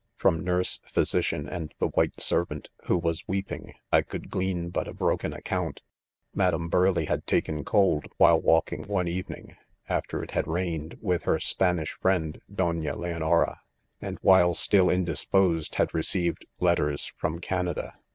" From nurse, physician, and the white ser vant, who was weeping, I 'could' glean but a broken account. Madame Burleigh had taken Isold, while walking one evening, after it had rained, with her Spanish friend, Do ~;a Leon» ©ra j and while still indisposed, had received 204 idomEn. ; letters from Canada.